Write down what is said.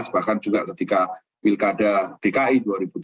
bahkan juga ketika pilkada dki dua ribu tujuh belas